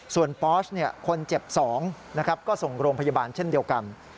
ส่วนปอสคนเจ็บ๒ก็ส่งโรงพยาบาลเช่นเดียวกัน